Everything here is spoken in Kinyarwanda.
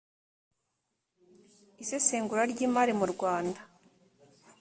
isesengura ry imari mu rwanda